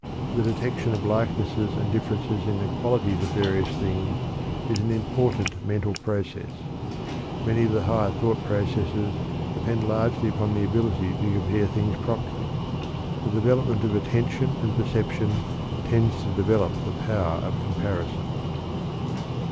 The detection of likenesses and differences in the qualities of various things is an important mental process. Many of the higher thought processes depend largely upon the ability to compare things properly. The development of attention and perception tends to develop the power of comparison.